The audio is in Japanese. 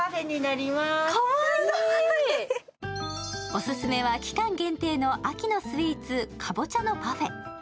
オススメは期間限定の秋のスイーツ・かぼちゃのパフェ。